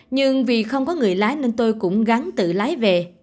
nhưng vì không có người lái nên tôi cũng gắn tự lái về